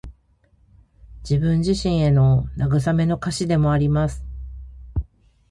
自分自身への慰めの歌詞でもあります。